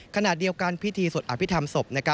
ขณะเดียวกันพิธีสวดอภิษฐรรมศพ